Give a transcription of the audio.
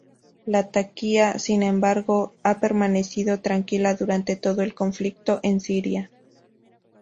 Latakia, sin embargo, ha permanecido tranquila durante todo el conflicto en Siria.